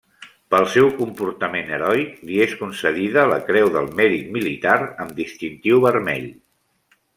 Pel seu comportament heroic li és concedida la Creu del Mèrit Militar amb distintiu vermell.